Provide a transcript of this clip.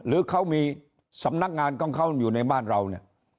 หรือเขามีสำนักงานของเขาอยู่ในบ้านเราเนี่ย